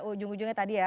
ujung ujungnya tadi ya